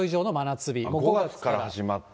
５月から始まって。